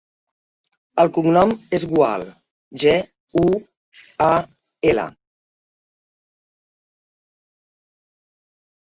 El cognom és Gual: ge, u, a, ela.